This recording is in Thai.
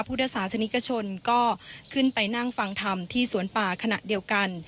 พุทธศาสนิกชนก็ขึ้นไปนั่งฟังธรรมที่สวนป่าขณะเดียวกัน